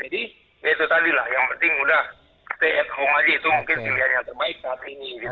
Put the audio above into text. ya itu tadi lah yang penting udah stay at home aja itu mungkin pilihan yang terbaik saat ini